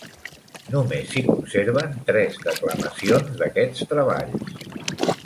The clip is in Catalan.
Només s'hi conserven tres declamacions d'aquests treballs.